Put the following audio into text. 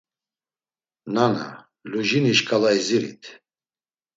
Nana, Lujini şǩala izirit.